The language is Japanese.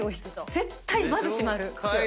絶対まず閉まる。